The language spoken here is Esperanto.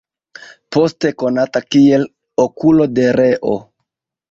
Poste konata kiel "Okulo de Reo".